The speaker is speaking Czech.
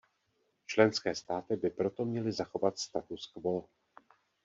Členské státy by proto měly zachovat status quo.